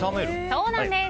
そうなんです